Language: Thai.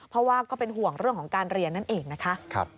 เพราะว่าก็เป็นห่วงเรื่องของการเรียนนั่นเองนะคะ